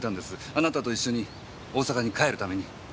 あなたと一緒に大阪に帰るために。